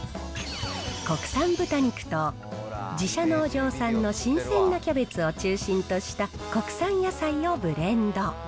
国産豚肉と、自社農場産の新鮮なキャベツを中心とした国産野菜をブレンド。